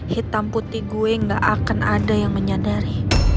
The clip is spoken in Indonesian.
hitam putih gue gak akan ada yang menyadari